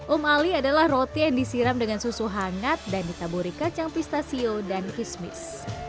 om ali adalah roti yang disiram dengan susu hangat dan ditaburi kacang pistachio dan kismis